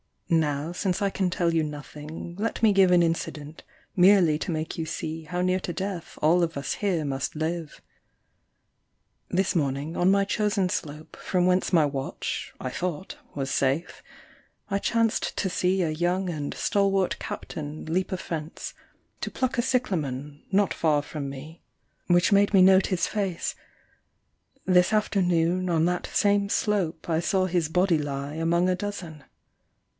Now, since I can tell nothing, let me give An incident, merely to make you see How near to death all of us here must live. This morning, on my chosen slope, from whence My watch, I thought, was safe, I chanced to see A young and stalwart captain leap a fence To pluck a cyclamen, not far from me. 32 NO NEWS FROM THE WAR. Which made me note his face : this afternoon On that same slope I saw his body lie Among a dozen.